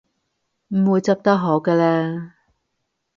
唔會執得好嘅喇